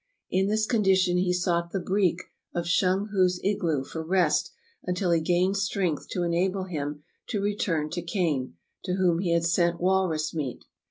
In this condition he sought the breek * of Shung hu's igloo for rest until he gained strength to enable him to return to Kane, to whom he had sent walrus , meat.